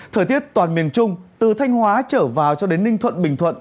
thời tiết toàn miền trung từ thanh hóa trở vào cho đến ninh thuận bình thuận